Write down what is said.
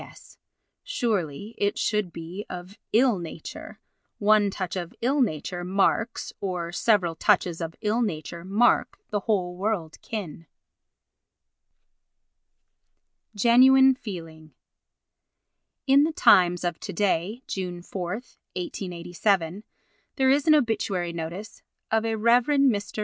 S.—Surely it should be "of ill nature." "One touch of ill nature marks—or several touches of ill nature mark the whole world kin." Genuine Feeling In the Times of to day, June 4, 1887, there is an obituary notice of a Rev. Mr.